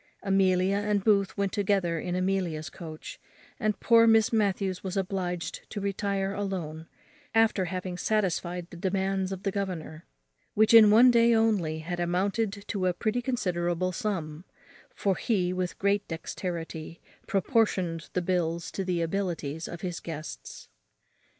Amelia and Booth went together in Amelia's coach, and poor Miss Matthews was obliged to retire alone, after having satisfied the demands of the governor, which in one day only had amounted to a pretty considerable sum; for he, with great dexterity, proportioned the bills to the abilities of his guests.